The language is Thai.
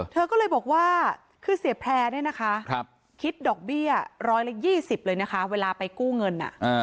เธอก็เลยบอกว่าคือเสียแพร่เนี่ยนะคะคิดดอกเบี้ย๑๒๐เลยนะคะเวลาไปกู้เงิน